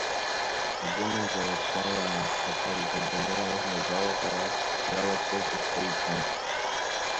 Агәынамӡара ацәаҩа аахаԥеит адунеи азна агәалаҟара иалаӡсоз ихы-иҿы.